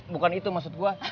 bukan itu maksud gue